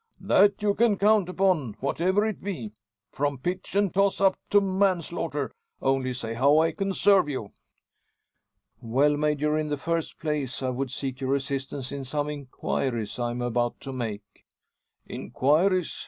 "That you can count upon, whatever it be from pitch and toss up to manslaughter. Only say how I can serve you." "Well, Major, in the first place I would seek your assistance in some inquiries I am about to make." "Inquiries!